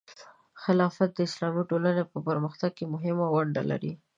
خلافت د اسلامي ټولنې په پرمختګ کې مهمه ونډه لري.